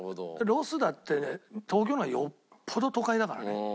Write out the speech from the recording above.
ロスだって東京の方がよっぽど都会だからね。